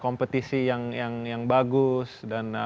kompetisi yang bagus dan lain lain